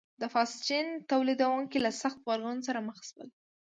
د فاسټین تولیدوونکو له سخت غبرګون سره مخ شول.